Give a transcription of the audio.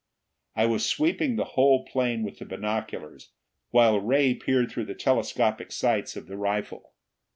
I was sweeping the whole plain with the binoculars, while Ray peered through the telescopic sights of the rifle.